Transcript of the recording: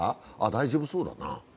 大丈夫そうだなぁ。